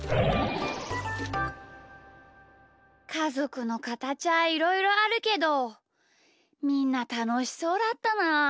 かぞくのかたちはいろいろあるけどみんなたのしそうだったなあ。